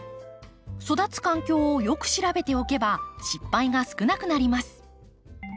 育つ環境をよく調べておけば失敗が少なくなります。